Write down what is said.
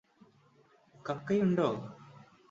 കക്കയുണ്ടോ?